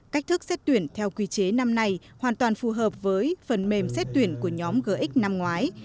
cách thức xét tuyển theo quy chế năm nay hoàn toàn phù hợp với phần mềm xét tuyển của nhóm gx năm ngoái